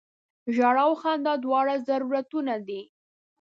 ژړا او خندا دواړه ضرورتونه دي.